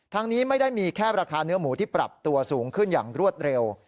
นี้ไม่ได้มีแค่ราคาเนื้อหมูที่ปรับตัวสูงขึ้นอย่างรวดเร็ว